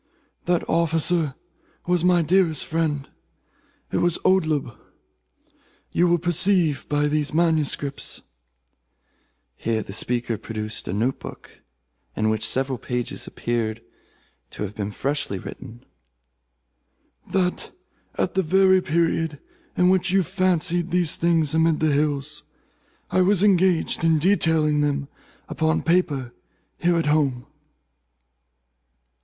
That officer was my dearest friend. It was Oldeb. You will perceive by these manuscripts," (here the speaker produced a note book in which several pages appeared to have been freshly written,) "that at the very period in which you fancied these things amid the hills, I was engaged in detailing them upon paper here at home."